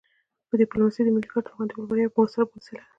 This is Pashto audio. ډیپلوماسي د ملي ګټو د خوندیتوب لپاره یوه مؤثره وسیله ده.